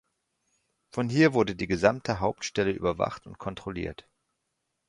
Von hier wurde die gesamte Hauptstelle überwacht und kontrolliert.